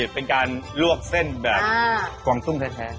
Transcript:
เป็นการลวกเส้นแบบกวางตุ้งแท้